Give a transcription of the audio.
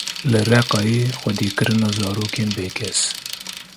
Li Reqayê xwedîkirina zarokên bêkes.